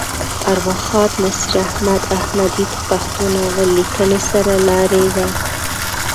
ارواښاد نصیر احمد احمدي د پښتو ناول لیکنې سر لاری وه.